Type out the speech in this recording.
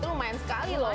itu lumayan sekali loh